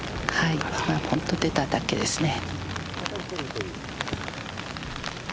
本当、出ただけですね。